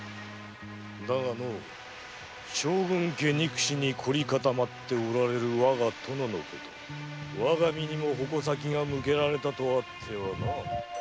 だが将軍家憎しに凝り固まっておられるわが殿のことわが身にも矛先が向けられたとあってはの。